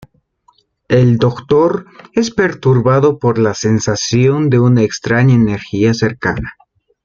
El Doctor es perturbado por la sensación de una extraña energía cercana.